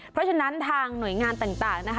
เพราะฉะนั้นทางหน่วยงานต่างนะคะ